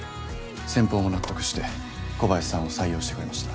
先方も納得して小林さんを採用してくれました。